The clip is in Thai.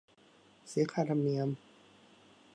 เสียค่าธรรมเนียม